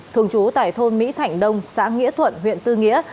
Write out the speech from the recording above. thường trú tại thôn mỹ thạnh đông xã nghĩa thuận huyện tư nghĩa